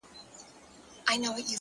دوى خو ـ له غمه څه خوندونه اخلي ـ